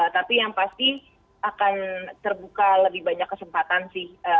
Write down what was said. tapi yang pasti akan terbuka lebih banyak kesempatan sih